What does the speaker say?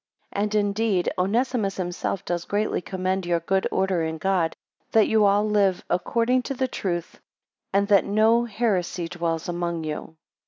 5 And indeed Onesimus himself does greatly commend your good order in God: that you all live according to the truth, and that no heresy dwells among you.